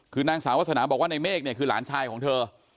คือนางสาววาสนาบอกว่าในเมฆเนี่ยคือหลานชายของเธอ